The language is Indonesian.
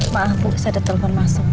malah bu saya ada telepon masuk